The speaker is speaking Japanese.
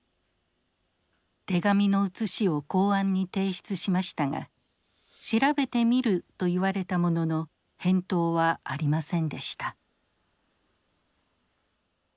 手紙の写しを公安に提出しましたが「調べてみる」と言われたものの返答はありませんでした。